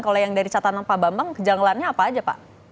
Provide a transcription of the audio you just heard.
kalau yang dari catatan pak bambang kejanggalannya apa aja pak